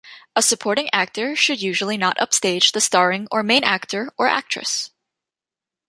A supporting actor should usually not upstage the starring or main actor or actress.